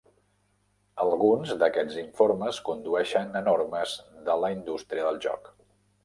Alguns d'aquests informes condueixen a normes de la indústria del joc.